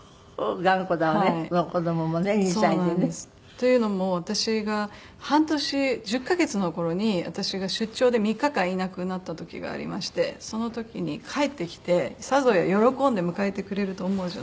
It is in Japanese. その子どももね２歳でね。というのも私が半年１０カ月の頃に私が出張で３日間いなくなった時がありましてその時に帰ってきてさぞや喜んで迎えてくれると思うじゃないですか。